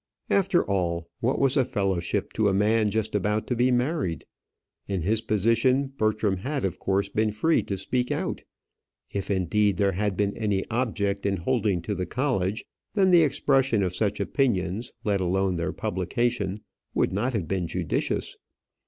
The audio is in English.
After all, what was a fellowship to a man just about to be married? In his position Bertram had of course been free to speak out. If, indeed, there had been any object in holding to the college, then the expression of such opinions, let alone their publication, would not have been judicious.